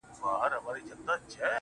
خلوت پر شخصيت د عبادت له مينې ژاړي~